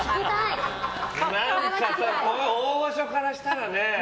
何かさ、大御所からしたらね。